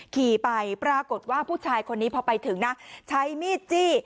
ขี่ไปปรากฏว่าผู้ชายคนนี้พอไปถึงนะใช้มีดจี้